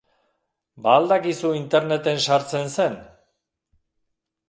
Ba al dakizu Interneten sartzen zen?